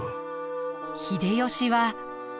秀吉は。